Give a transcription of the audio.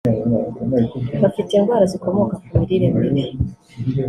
bafite indwara zikomoka ku mirire mibi